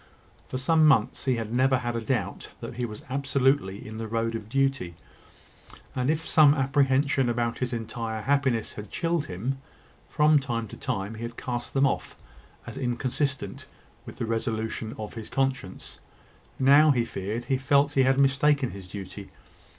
For some months, he had never had a doubt that he was absolutely in the road of duty; and, if some apprehension about his entire happiness had chilled him, from time to time, he had cast them off, as inconsistent with the resolution of his conscience. Now he feared, he felt he had mistaken his duty.